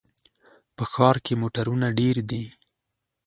په ښار کې موټرونه ډېر دي.